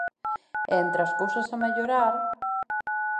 E entre as cousas a mellorar...